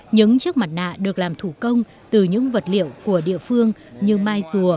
những chiếc mặt nạ được làm thủ công từ những vật liệu của địa phương như mai rùa